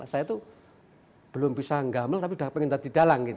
saya tuh belum bisa gamel tapi udah pengen tadi dalang gitu